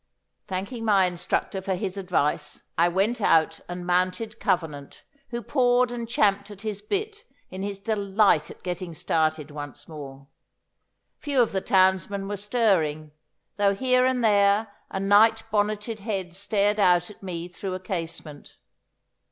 Thanking my instructor for his advice I went out and mounted Covenant, who pawed and champed at his bit in his delight at getting started once more. Few of the townsmen were stirring, though here and there a night bonneted head stared out at me through a casement.